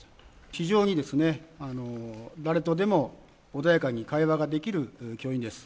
非常に誰とでも穏やかに会話ができる教員です。